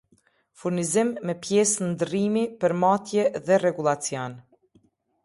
Furnizim me pjesë ndrrimi per matje dhe rregullacion